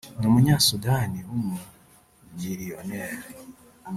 ni umunya-Sudani w’umumiliyoneri